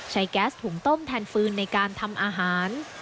แก๊สถุงต้มแทนฟืนในการทำอาหาร